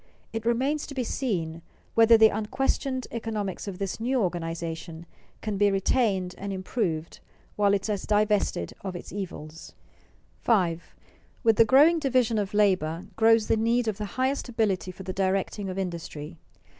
It remains to be seen whether the unquestioned economies of this new organization can be retained and improved while it is divested of its evils. [Sidenote: Growing importance of directive ability] 5. _With the growing division of labor, grows the need of the highest ability for the directing of industry.